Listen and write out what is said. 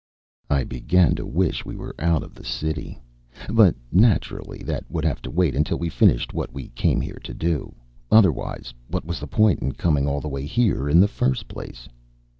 I began to wish we were out of the city. But naturally that would have to wait until we finished what we came here to do otherwise, what was the point of coming all the way here in the first place?